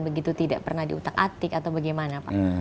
begitu tidak pernah diutak atik atau bagaimana pak